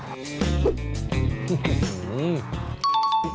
สุดยอด